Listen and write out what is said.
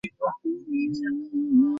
তিনি ম্যানচেস্টার ইউনাইটেডের হয়ে খেলেন।